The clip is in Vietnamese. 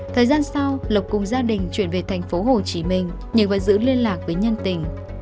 thời gian sau lộc cùng gia đình chuyển về thành phố hồ chí minh nhưng vẫn giữ liên lạc với nhân tình